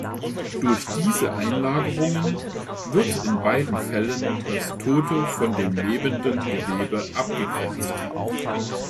Durch diese Einlagerungen wird in beiden Fällen das tote von dem lebenden Gewebe abgegrenzt.